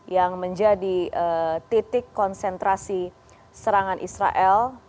yang menjadi titik konsentrasi serangan israel